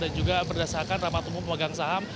dan juga berdasarkan ramah tumbuh pemegang saham